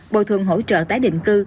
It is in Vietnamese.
bồi thường hỗ trợ tái định cư